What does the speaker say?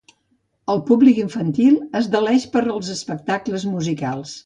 El públic infantil es deleix pels espectacles musicals.